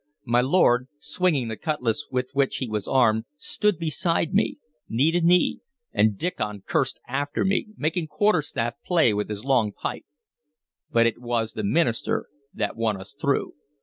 My lord, swinging the cutlass with which he was armed, stood beside me, knee to knee, and Diccon cursed after me, making quarterstaff play with his long pike. But it was the minister that won us through.